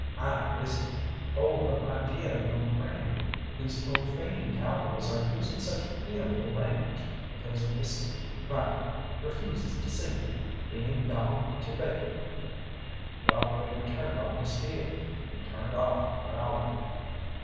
I'm busy." "Oh, but my deah young friend, these profane cowboys are using such feahful language, because Misteh Ryan refuses to see them, being gawn to bed " The operator turned on his heel, and turned off growling.